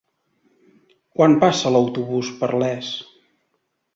Quan passa l'autobús per Les?